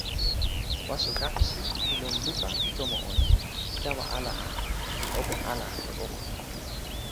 waso Kapesi li lon lupa pi tomo ona, li tawa ala a, li open ala e oko.